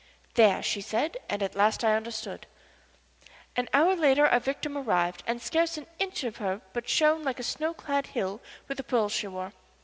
"There!" she said and at last I understood. An hour later our victim arrived and scarce an inch of her but shone like a snow clad hill with the pearls she wore.